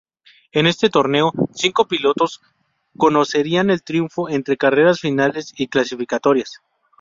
En este torneo, cinco pilotos conocerían el triunfo entre carreras finales y clasificatorias.